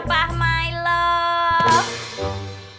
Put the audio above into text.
peh peh peh